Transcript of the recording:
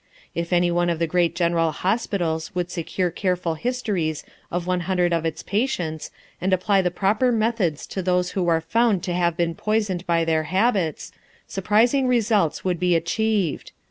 If any one of the great general hospitals would secure careful histories of one hundred of its patients and apply the proper methods to those who are found to have been poisoned by their habits, surprising results would be achieved.